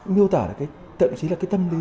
miêu tả lại cái tậm chí là cái tâm lý